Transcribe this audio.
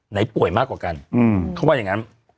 ไหนป่วยมากว่ากัน